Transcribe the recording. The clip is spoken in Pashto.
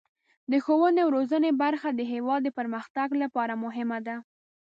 د ښوونې او روزنې برخه د هیواد د پرمختګ لپاره مهمه ده.